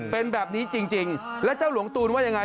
เป็นแบบนี้จริงแล้วเจ้าหลวงตูนว่ายังไง